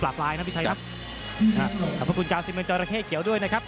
กับปลาบไหลนะพี่ชัยครับ